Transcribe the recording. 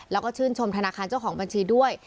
แล้วก็ชื่นชมธนาคารเจ้าของบัญชีด้วย